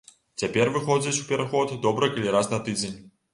Цяпер выходзіць у пераход добра калі раз на тыдзень.